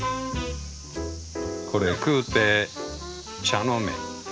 「これ食うて茶のめ」。